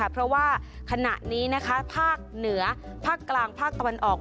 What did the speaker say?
เพราะว่าขณะนี้ภาคเหนือภาคกลางภาคตะวันออก